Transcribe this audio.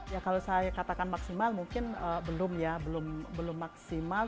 ya kalau saya katakan maksimal mungkin belum ya belum maksimal